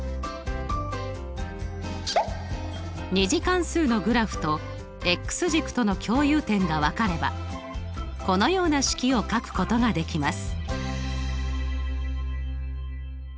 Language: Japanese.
２次関数のグラフと軸との共有点が分かればこのような式を書くことができます。